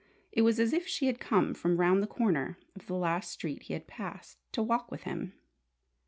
It was as if she had come from round the corner of the last street he had passed, to walk with him.